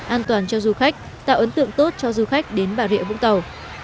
an toàn cho du khách tạo ấn tượng tốt cho du khách đến bà rịa vũng tàu